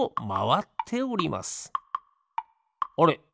あれ？